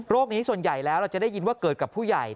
นี้ส่วนใหญ่แล้วเราจะได้ยินว่าเกิดกับผู้ใหญ่